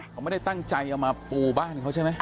อเจมส์ไม่ได้ตั้งใจมาปูบ้านเขาใช่ไหม